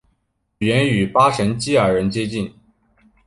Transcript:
语言与巴什基尔人接近。